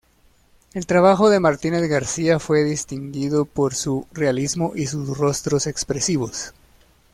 El trabajo de Martínez García fue distinguido por su realismo y sus rostros expresivos.